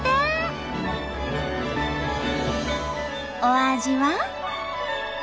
お味は？